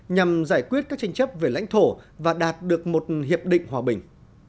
nhằm giải quyết các tranh chấp về lãnh thổ và đạt được một hiệp định hòa bình